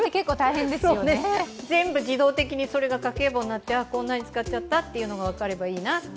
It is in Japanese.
全部自動的にそれが家計簿になって、こんなに使っちゃったというのが分かればいいな。